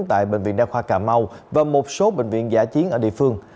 tại bệnh viện đa khoa cà mau và một số bệnh viện giả chiến ở địa phương